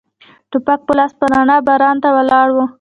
ټوپک په لاس په رڼا کې باران ته ولاړ و.